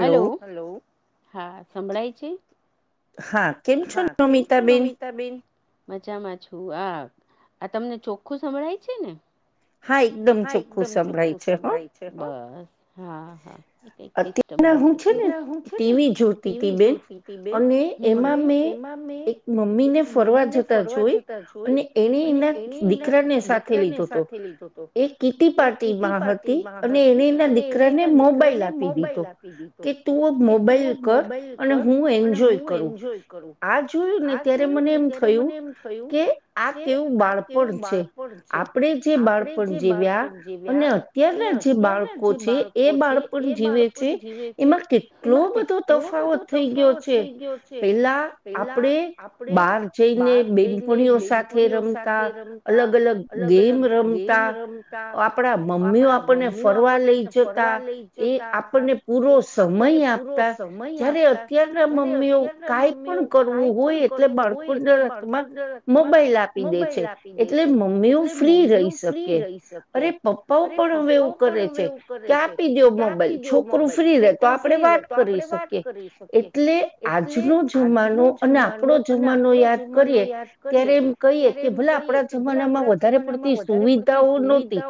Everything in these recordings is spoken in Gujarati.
હલો હલો હા સંભળાય છે. હા. હા કેમ છો નમિતાબેન. મજામાં છું આ આ તમને ચોખ્ખું સંભળાય છે ને હા એકદમ હા એકદમ ચોખ્ખું સંભળાય છે બસ હા હા. હું છે ને તેવી જોડતી હતી બેન અને એમાં મેં એક મમ્મીને ફરવા જતા જોઈ અને એને એના દીકર ને સાથે લીધો હતો એ કીટી પાર્ટી માં હતી અને એને એના દીકરાને મોબાઈલ આપી દીધો કે તું મોબાઈલ કર અને હું એન્જોય કરું આ જોયું ને ત્યારે મને એમ થયું કે આ કેવું બાળપણ છે. આપણે જે બાળપણ જીવ્યા અને અત્યારના જે બાળકો છે એ બાળપણ જીવે એમાં કેટલો બધો તફાવત થઈ ગયો છે પેલા આપણે બહાર જઈને બેનપણીઓ સાથે રમતા અલગ અલગ ગેમ આપણા મમ્મીઓ આપણને ફરવા લઈ જતા એ આપણને પૂરો સમય આપતા જય્યારે અત્યારના મમ્મીઓ કઈક પણ કરવું હોય એટલે બાળકોના હાથમાં મોબાઈલ આપી દે છે. એટલે મમ્મીઓ ફ્રી રહીશ અરે પપ્પાઓ પણ હવે એવું કરે છે કે આપી દો મોબાઈલ છોકરું ફ્રી તો આપણે વાત કરી શકીએ એટલે આજનો જુમાનો અને આપડો જુમાનો યાદ કરીએ ત્યારે એમ કહીએ કે ભલે આપણા જમાનામાં વધારે પડતી સુવિધાઓ નોતી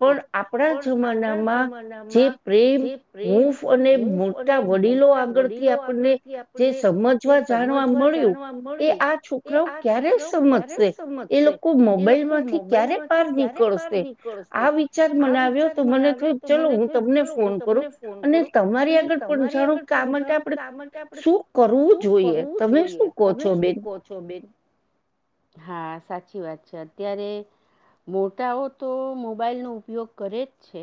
પણ આપણા જમાનામાં જે પ્રેમ હૂફ અને મોટા વડીલો આગળથી આપણને જે સમજ જાણવા મળ્યું એ આ છોકરાઓ ક્યારે સમજશે એ લોકો કો મોબાઈલ માંથી ક્યારેક પાર નીકળશે આ વિચાર મનાવ્યો તો મને થઈ ચલો હું તમને ફોન કરું અને તમારી આગળ પણ જાણો કે આ માટે આપણે શું કરવું જોઈએ તમે શું કહો છો બેન. છો બેન હા સાચી વાત છે અત્યારે મોટાઓ તો મોબાઈલનો ઉપયોગ કરે જ છે.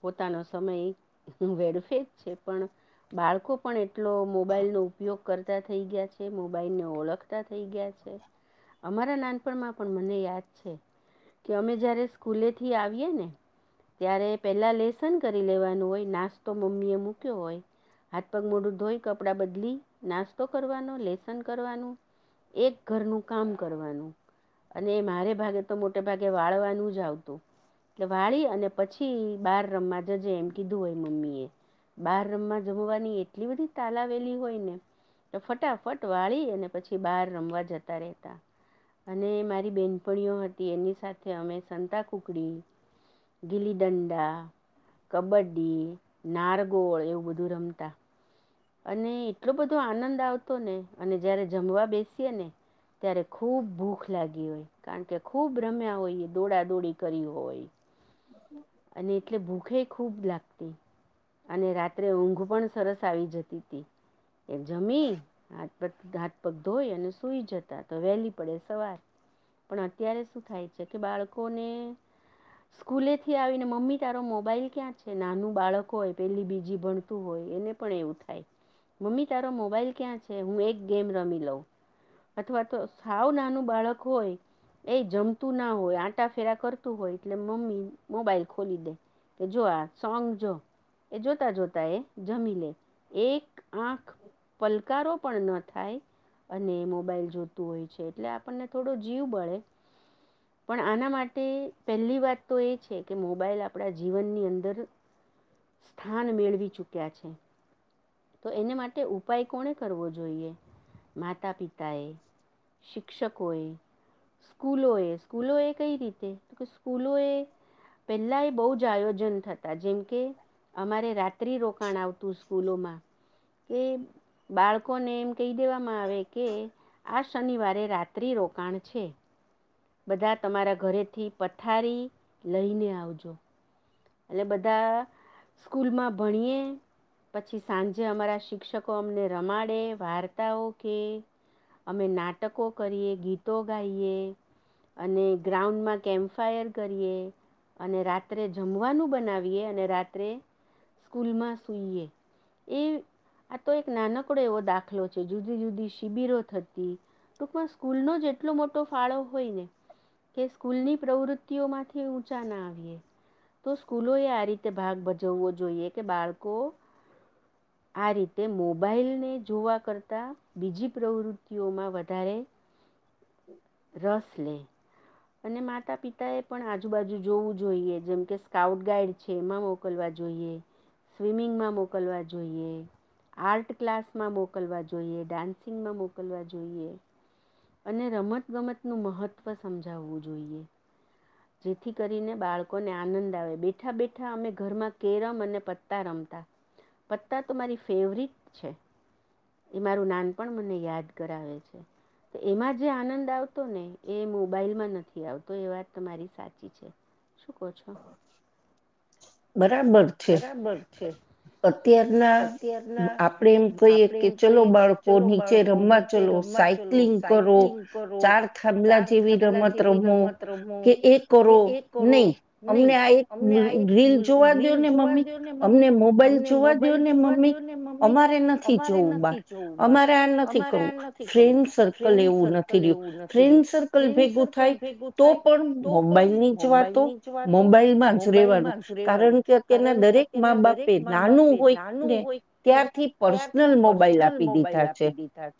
પોતાનો સમય વેડફે જ છે પણ બાળકો પણ એટલો મોબાઈલનો ઉપયોગ કરતા થઈ ગયા છે મોબાઈલને ઓળખતા થઈ ગયા છે. અમારા નાનપણમાં પણ મને યાદ છે. કે અમે જ્યારે સ્કૂલેથી આવીએ ને ત્યારે પેલા લેસન કરી લેવાનું હોય નાસ્તો મમ્મી એ મૂક્યો હોય હાથ પગ મોડું ધોઈ કપડાં બદલી નાસ્તો કરવાનો લેસન કરવાનું એક ઘરનું કામ કરવાનું અને મારે ભાગે તો મોટે ભાગે વાળવાનું જ આવતું એટલે વાળી અને પછી થી બાર રમવા જજે એમ કીધું હોય મમ્મી એ બહાર રમમાં જમવાની એટલી બધી તાલાવેલી હોય ને તો ફટાફટ વાળી અને પછી બહાર રમવા જતા રહેતા. અને મારી બેનપણીઓ હતી એની સાથે અમે સંતા કુકડી ગિલી દંડા, કબડ્ડી, નારગોળ એવું બધું રમતા. અને એટલો બધો આનંદ આવતો ને અને જયારે જમવા બેસીએ ને ત્યારે ખૂબ ભૂખ લાગી હોય. કારણ કે ખૂબ રમ્યા હોય એ દોડા દોડી કરી હોય. [inaudible] અને એટલે ભૂખે ખૂબ લાગતી. અને રાત્રે ઊંઘ પણ સરસ આવી જતી હતી એ જમી હાથ પગ હાથ પગ ધોઈ અને સુઈ જતા તો વહેલી પડે સવાર. પણ અત્યારે શું થાય છે કે બાળકોને સ્કૂલે થી આવીને મમ્મી તારો મોબાઈલ ક્યાં છે નાનું બાળક હોય પેલી બીજી ભણતું હોય એને પણ એવું થાય. મમ્મી તારો મોબાઈલ ક્યાં છે હું એક ગેમ રમી લઉં. અથવા તો સાવ નાનું બાળક હોય એ જમતું ના હોય આંટા ફેરા કરતું હોય એટલે મમ્મી મોબાઈલ ખોલી દે કે જો આ સોંગ જો એ જોતા જોતા એ જમી લે એક આંખ પલકારો પણ ન થાય અને મોબાઈલ જોતું હોય છે એટલે આપણને થોડો જીવ બળે પણ આના માટે પહેલી વાત તો એ છે. કે મોબાઈલ આપણા જીવનની અંદર સ્થાન મેળવી ચૂક્યા છે. તો એને માટે ઉપાય કોણે કરવો જોઈએ માતા પિતાએ. શિક્ષકોએ. સ્કૂલોએ સ્કૂલોએ કઈ રીતે તો કે સ્કૂલોએ પહેલાં એ બહુ જ આયોજન થતા જેમકે અમારે રાત્રિ રોકાણ આવતું સ્કૂલોમાં કે બાળકોને એમ કહી દેવામાં આવે કે આ શનિવારે રાત્રિ રોકાણ છે. બધા તમારા ઘરેથી પથારી લઈને આવજો. એટલે બધા સ્કૂલમાં ભણીએ પછી સાંજે અમારા શિક્ષકો અમને રમાડે વાર્તાઓ કે અમે નાટકો કરીએ ગીતો ગાઈએ. અને ગ્રાઉન્ડમાં કેમ્પ ફાયર કરીએ અને રાત્રે જમવાનું બનાવીએ અને રાત્રે સ્કૂલમાં સૂઈએ એ આ તો એક નાનકડો એવો દાખલો છે જુદી જુદી શિબિરો થતી. ટૂંકમાં સ્કૂલનો જ એટલો મોટો ફાળો હોય ને કે સ્કૂલની પ્રવૃત્તિઓમાંથી ઊંચા ના આવીએ. તો સ્કૂલોએ આ રીતે ભાગ ભજવવો જોઈએ કે બાળકો [unintelligible] આ રીતે મોબાઈલને જોવા કરતાં બીજી પ્રવૃત્તિઓમાં વધારે [inaudible] રસ લે. અને માતા પિતા એ પણ આજુબાજુ જોવું જોઈએ જેમ કે સ્કાઉટ ગાઈડ છે એમાં વો મોકલવા જોઈએ સ્વિમિંગમાં મોકલવા જોઈએ આર્ટ ક્લાસમાં મોકલવા જોઈએ ડાન્સિંગમાં મોકલવા જોઈએ. અને રમતગમતનું મહત્વ સમજાવવું જોઈએ. [inaudible] જેથી કરીને બાળકોને આનંદ આવે બેઠા બેઠા અમે ઘરમાં કેરમ અને પત્તા રમતા. પત્તા તો મારી ફેવરેટ છે. એ મારું નાન પણ મને યાદ કરાવે છે. એમાં જે આનંદ આવતો ને એ હું મોબાઇલમાં નથી આવતો એ વાત તમારી સાચી છે શું કહો છો. બરાબર છે. અત્યારના આપડે એમ કઈએ કે ચલો બાળકોની જે રમવા ચલો સાયકલિંગ કરો ચાર થા પહેલા જેવી રમત રમો કે એ કરો અમને આ એક રીલ જોવા દેવા ને મમ્મી અમને મોબાઈલ જોવા દો ને મમ્મી અમારે નથી જવું બાર અમારે આ નથી કરવું ફ્રેન્ડ સર્કલ એવું નથ થઈ ગયું ફ્રેન્ડ સર્કલ ભેગું થાય તો પણ મોબાઈલ ની જ વાતો મોબાઈલમાં જ રહેેવાનું કારણ કે અત્યના દરેક મા બાપે એ નાનું હોય ને ત્યારથી પર્સનલ મોબાઈલ આપી દીધા છે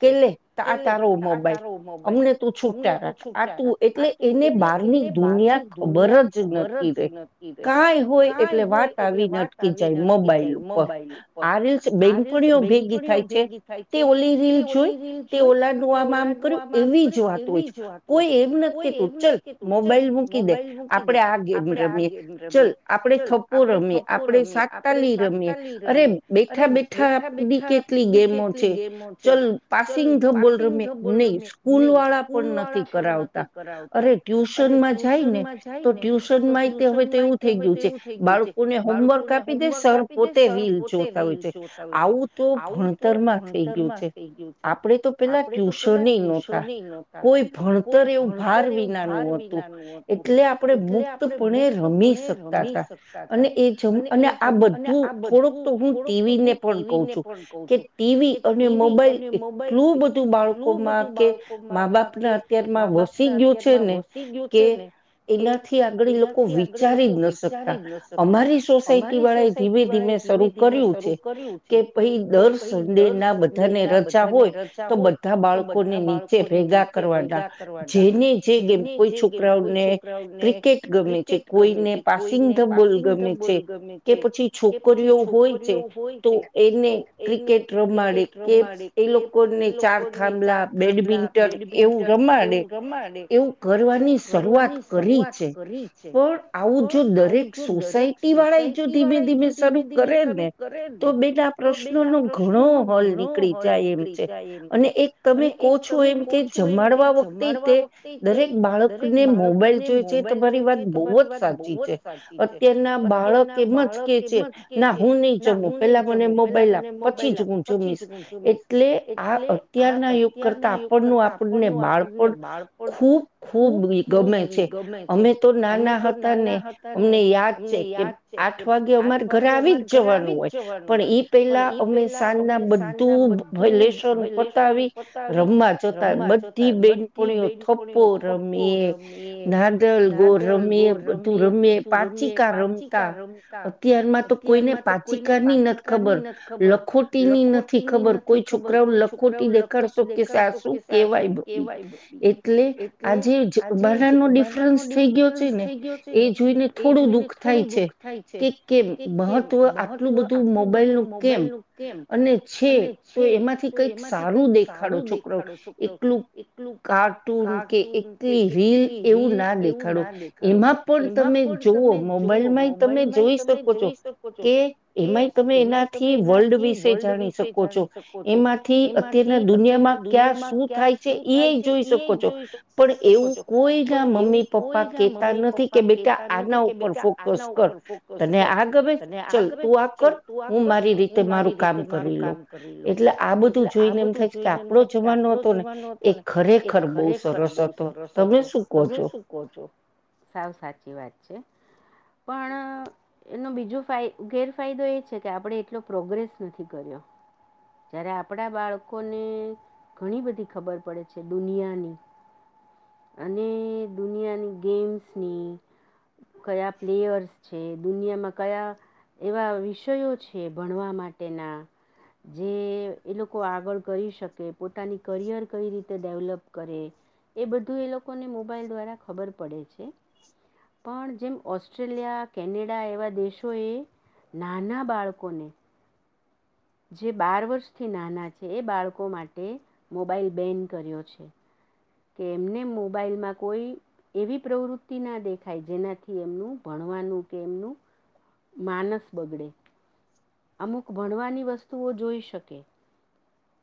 કે લે આ તારો મોબાઈલ અમને તું છૂટા રાખ આ તું એટલે એને બહારની દુનિયા ખબર જ નથ કઈ હોય એટલે વાત આવીને અટકી જાય મોબાઈલ ઉપર. આ રીલસ બેનપણીઓ ભેગી થાય છે, તે ઓલી રીલ જોઈ. તે ઓલા નોવામાં આમ કર્યું એવી જ વાતો છે. કોઈ એમ નથી કે તું ચલ મોબાઈલ મૂકી દે, આપડે આ મ રમીએ, ચલ આપણેે થપ્પો રમીએ આપણેે સાાકતાલી રમીએ, અરે બેઠા બેઠા આપની કેટલી ગેમો છે, ચલ પાસિંગ તો બોલ મેં નહી. સ્કૂલ વાળા પણ નથી કરાવતા, અરે ટ્યુશનમાં જાય ને તો ટ્યુશ માહિતી હવે તો એવું થઈ ગયું છે, બાળકોને હોમવર્ક આપી દે સર પોતે રિલ જોતા હોય છે. આવું તો ભણતરમાં થઈ ગયું છે, આપણેે તો પેલા ટ્યુશન ન હતું. કોઈ ભણતર એવું ભાર વિનાનું હતું, એટલે આપણે મુક્તપણે રમી શકતા હતા, અને એ જમ અને આ બધું થોડોક તો હું ટીવી ને પણ કહ છું, કે ટીવી અને મોબાઈલ એટલું બધું બાળક ઘુમા કે [unintelligible] સી ગયું છે, ને કે એનાથી લોકો વિચારી જ ન શકતા, અમારી સોસાયટી વાળા એ ધીમે ધીમે શરૂ કર્યું છે. કે ભાઈ દર સંદેહ ના બધાને રચા હોય, તો બધા બધા બાળકોને નીચે ભેગા કરવાના, જેને જે ગમ કોઈ છોકરાઓને ક્રિકેટ ગમે છે કોઈને પાસિંગ ધ બોલ ગમે છે, કે પછી છોકરીઓ હોય છે. તો એને ક્રિકેટ રમાડે કે એ લોકોને ચાર થાંભલા બેડમિ એવું રમાડે, એવું કરવાની શરૂઆત કરી. પણ આવું જો દરેક સોસાયટી વાળા જો ધીમે ધીમે સારું કરે ને. તો બેટા પ્રશ્નો નો ઘણો હલ નીકળી જાય એમ છે, અને એક તમે કહો છો એમ કે જમાડવા રીતે, દરેક બાળકને મોબાઈલ જોઈ છે. તમા મારી વાત બહુ જ સાચી છે, અત્યારના બાળક એમ જ કે છે. ના હું નહી જમું પેલા મને મોબાઈલ આપ પછી જ હું જમીશ, એટલે આ અત્યારના યુગ કરતા આપણનું આપણને બાળ પણ ખૂબ ખૂબ ગમે છે. અમે તો નાના હતા ને, અમને યાદ છે કે આઠ વાગે અમારે ઘરે આવી જ જવાનું હોય. પણ ઈ પેલા અમે સાંજ ના બધું લેશો પતાવી. રમવા જોતા બધી બેનપણીઓ થપો રમીએ, નાન ગો રમે બધું રમે પાચિકા રમતા, અત્યારમાં તો કોઈને પાચિકા ની નથી ખબર, લખોટીની નથી ખબર કોઈ છોકરાઓ લખોટી દેખાડશો કે સાસું કેવાય. એટલે આજે બારનોફ થઈ ગયો છે ને, એ જોઈને થોડું દુઃખ થાય છે, કે કેમ મહત્વ આટલું બધું મોબાઈલ નું કેમ? અને છે. તો એમાંથી કઈક સારું દેખાડો છોકરો, એકલું એકલું કાર્ટૂન કે એકલી રીલ. એવું ના દેખાડો, એમાં પણ તમે જુવો મોબાઈલમાં તમે જોઈ શકો છો. કે એમાંય તમે એનાથી વર્લ્ડ વિશે જાણી શકો છો, એમાં થી અત્યારના દુનિયામાં ક્યાં શું થાય છે એ જોઈ શકો છો, પણ એવું કોઈ મમ્મી પપ્પા કેતા નથી કે બેટા આના ઉપર ફોક કર, તને આ કરે ચાલ તું આ કર હું મારી રીતે મારું કામ કરી લો, એટલે આ બધું જોઈને એમ થાય કે આપડો જમાનો હતો ને. એ ખરેખર બહુ સરસ હતો, તમે શું મૂકો છો? સાવ સાચી વાત છે પણ એનો બીજો ગેરફાયદો એ છે કે આપણે એટલો પ્રોગ્રેસ નથી કર્યો. જ્યારે આપણા બાળકોને ઘણી બધી ખબર પડે છે દુનિયાની. અને દુનિયાની ગેમ્સની કયા પ્લેયર્સ છે દુનિયામાં કયા એવા વિષયો છે ભણવા માટેના જે એ લોકો આગળ કરી શકે પોતાની કરિયર કઈ રીતે ડેવલપ કરે એ બધું એ લોકોને મોબાઈલ દ્વારા ખબર પડે છે. પણ જેમ ઓસ્ટ્રેલિયા કેનેડા એવા દેશોએ નાના બાળકોને જે બાર વર્ષથી નાના છે એ બાળકો માટે મોબાઈલ બેન કર્યો છે. કે એમને મોબાઈલમાં કોઈ એવી પ્રવૃત્તિ ના દેખાય જેનાથી એમનું ભણવાનું કે એમનું માનસ બગડે અમુક ભણવાની વસ્તુઓ જોઈ શકે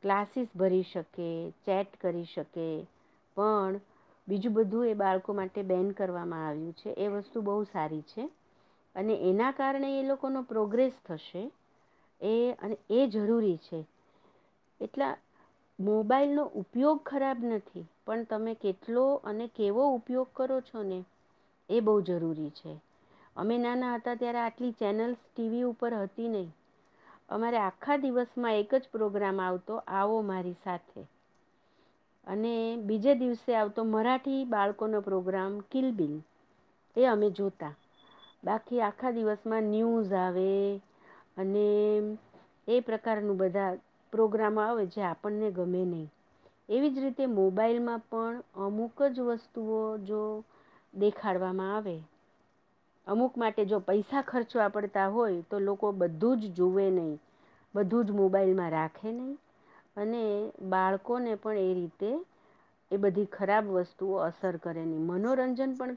ક્લાસીસ ભરી શકે ચેટ કરી શકે પણ બીજું બધું એ બાળકો માટે બેન કરવામાં આવ્યું છે એ વસ્તુ બહુ સારી છે. અને એના કારણે એ લોકોનો પ્રોગ્રેસ થશે. એ અને એ જરૂરી છે. એટલા મોબાઈલનો ઉપયોગ ખરાબ નથી. પણ તમે કેટલો અને કેવો ઉપયોગ કરો છો ને એ બહુ જરૂરી છે. અમે નાના હતા ત્યારે આટલી ચેનલ્સ ટીવી ઉપર હતી નહી. અમારે આખા દિવસમાં એક જ પ્રોગ્રામ આવતો આવો મારી સાથે અને બીજે દિવસે આવતો મરાઠી બાળકોનો પ્રોગ્રામ કિલબિલ એ અમે જોતા બાકી આખા દિવસમાં ન્યૂઝ આવે અને એ પ્રકારનું બધા પ્રોગ્રામો આવે જે આપણને ગમે નહીં. એવી જ રીતે મો મોબાઈલમાં પણ અમુક જ વસ્તુઓ જો દેખાડવામાં આવે. અમુક માટે જો પૈસા ખર્ચવા પડતા હોય તો લોકો બધું જ જુવે નહીં. બધું જ મોબાાઈલમાં રાખે નહીં. અને બાળકોને પણ એ રીતે એ બધી ખરાબ વસ્તુ તું અસર કરે નઈ મનોરંજન પણ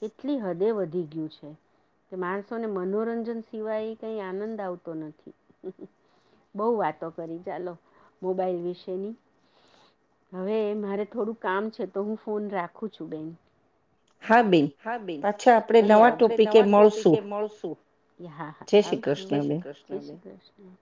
કેટલી હદે વધી ગયું છે માણસોને મનોરંજન સિવાય કઈ આનંદ આવતો નથી. બહુ વાતો કરી ચાલો મોબાઈલ વિશેની હવે મારે થોડું કામ છે તો હું ફોન રાખું છું બેન. હા બેન પાછા આપડે નવા ટોપ નવા ટોપિક એ મળશું હા હા આવજો જય શ્રી કૃષ્ણ જય શ્રી કૃષ્ણ.